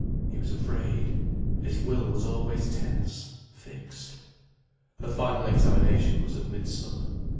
He was afraid. His will was always tense, fixed. Her final examination was at midsummer.